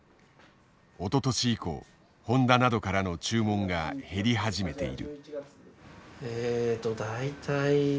おととし以降ホンダなどからの注文が減り始めている。